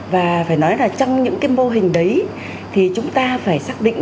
và phải nói là trong những cái mô hình đấy thì chúng ta phải xác định